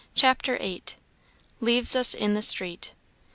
CHAPTER VIII. Leaves us in the Street.